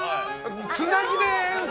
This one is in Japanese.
つなぎで演奏。